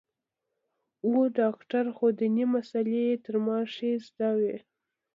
و ډاکتر خو ديني مسالې يې تر ما ښې زده وې.